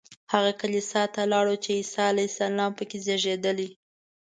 هغه کلیسا ته لاړو چې عیسی علیه السلام په کې زېږېدلی.